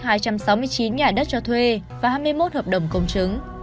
danh sách hai trăm sáu mươi chín nhà đất cho thuê và hai mươi một hợp đồng công chứng